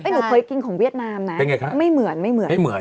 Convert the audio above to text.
หนูเคยกินของเวียดนามนะเป็นไงคะไม่เหมือนไม่เหมือนไม่เหมือน